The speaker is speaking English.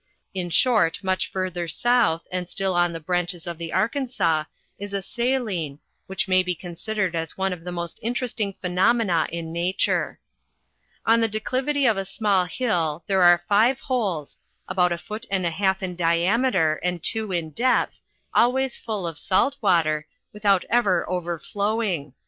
In short much further eouth, and still on the branches of the Arkansas, is a saline, which may be considered as one of the most interesting phe nomena in nature. On the declivity of a small hill there are five holes, about a foot and a half in diameter, and two in depth, always full of salt water, without ever overflowing.